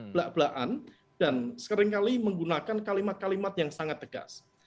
belak belaan dan seringkali menggunakan kalimat kalimat yang sangat tegas